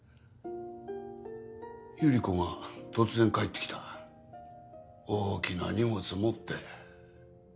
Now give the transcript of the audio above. ゆり子が突然帰ってきた大きな荷物持って。